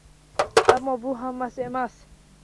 Ammo bu hammasi emas –